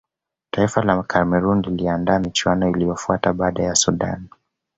taifa la cameroon liliandaa michuano iliyofuata baada ya sudan